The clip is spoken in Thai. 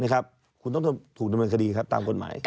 คุณต้องถูกดำเนินคดีครับตามกฎหมาย